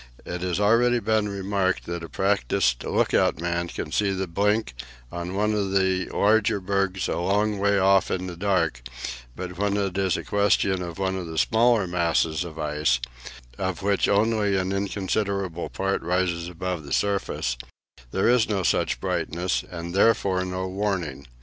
It has already been remarked that a practised look out man can see the blink of one of the larger bergs a long way off in the dark, but when it is a question of one of the smaller masses of ice, of which only an inconsiderable part rises above the surface, there is no such brightness, and therefore no warning.